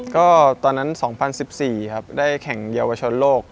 ก็ตอนนั้น๒๐๑๔ครับได้แข่งเยาวชนโลก